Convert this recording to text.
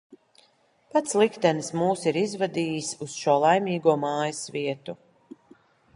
Pats liktenis mūs ir izvadījis uz šo laimīgo mājas vietu.